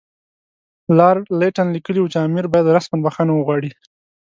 لارډ لیټن لیکلي وو چې امیر باید رسماً بخښنه وغواړي.